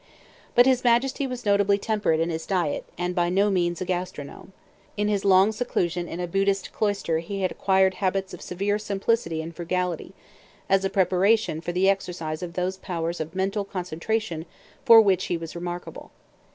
But his Majesty was notably temperate in his diet, and by no means a gastronome. In his long seclusion in a Buddhist cloister he had acquired habits of severe simplicity and frugality, as a preparation for the exercise of those powers of mental concentration for which he was remarkable.